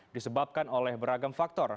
disebabkan oleh beragam faktor